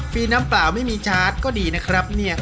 น้ำเปล่าไม่มีชาร์จก็ดีนะครับเนี่ย